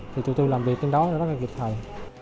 thì tụi tôi làm việc trên đó rất là kịp thời